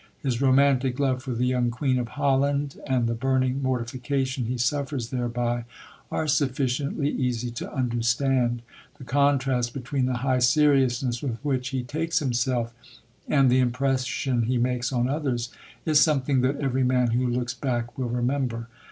His romantic love for the young queen of Holland and the burning mortification he suffers thereby, are sufficiently easy to understand. The contrast between the high seriousness with which he takes himself, and the impression he makes on others, is something that every man who looks back will remember.